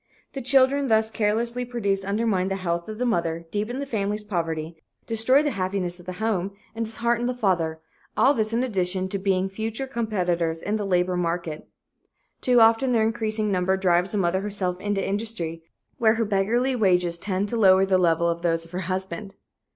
The children thus carelessly produced undermine the health of the mother, deepen the family's poverty, destroy the happiness of the home, and dishearten the father; all this in addition to being future competitors in the labor market. Too often their increasing number drives the mother herself into industry, where her beggarly wages tend to lower the level of those of her husband.